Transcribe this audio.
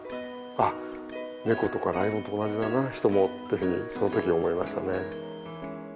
あっ猫とかライオンと同じだな人もっていうふうにその時思いましたね。